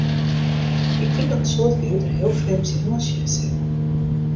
Ik tink dat in soad lju dêr heel frjemd tsjinoan sjen sille.